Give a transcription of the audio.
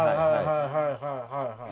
はいはいはいはい。